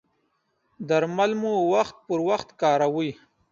درمل مو وخت پر وخت کاروئ؟